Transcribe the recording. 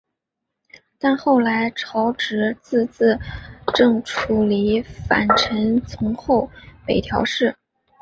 但后来朝直自资正处离反臣从后北条氏。